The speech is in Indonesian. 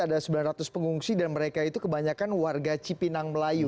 ada sembilan ratus pengungsi dan mereka itu kebanyakan warga cipinang melayu